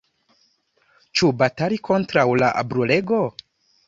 Ĉu batali kontraŭ la brulego?